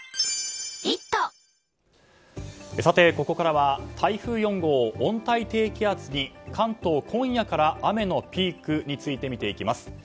ここからは台風４号、温帯低気圧に関東、今夜から雨のピークについて見ていきます。